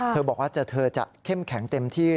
เธอบอกว่าเธอจะเข้มแข็งเต็มที่